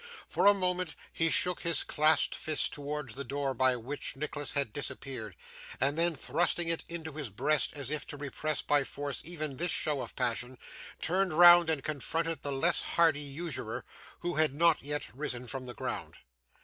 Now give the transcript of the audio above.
For a moment he shook his clasped fist towards the door by which Nicholas had disappeared; and then thrusting it into his breast, as if to repress by force even this show of passion, turned round and confronted the less hardy usurer, who had not yet risen from the ground.